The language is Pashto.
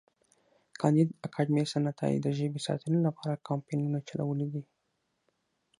کانديد اکاډميسن عطایي د ژبې ساتنې لپاره کمپاینونه چلولي دي.